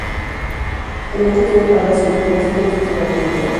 El metro tiene paradas en diferentes puntos de la localidad.